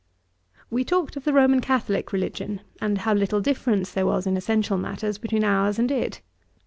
We talked of the Roman Catholick religion, and how little difference there was in essential matters between ours and it.